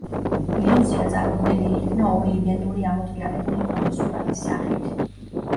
ილუზია წარმოდგენილი იქნა ორი იდენტური ამოტრიალებული ფოტოსურათის სახით.